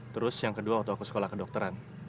terus yang kedua waktu aku sekolah kedokteran